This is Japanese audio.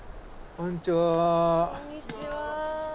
こんにちは。